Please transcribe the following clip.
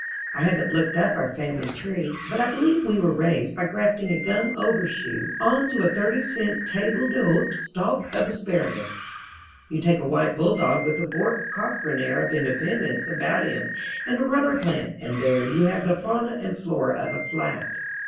I haven't looked up our family tree, but I believe we were raised by grafting a gum overshoe on to a 30 cent table d'hôte stalk of asparagus. You take a white bulldog with a Bourke Cockran air of independence about him and a rubber plant and there you have the fauna and flora of a flat.